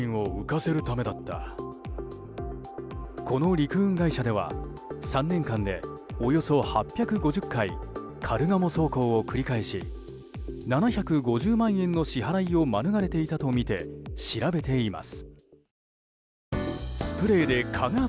この陸運会社では３年間で、およそ８５０回カルガモ走行を繰り返し７５０万円の支払いを免れていたとみて調べています。